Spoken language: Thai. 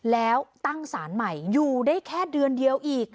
แล้วตั้งสารใหม่อยู่ได้แค่เดือนเดียวอีก